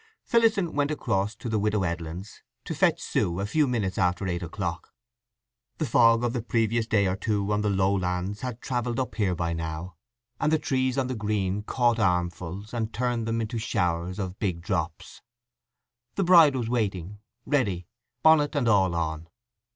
Phillotson went across to the Widow Edlin's to fetch Sue a few minutes after eight o'clock. The fog of the previous day or two on the low lands had travelled up here by now, and the trees on the green caught armfuls, and turned them into showers of big drops. The bride was waiting, ready; bonnet and all on.